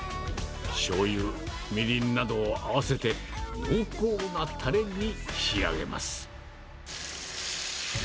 しょうゆ、みりんなどを合わせて、濃厚なたれに仕上げます。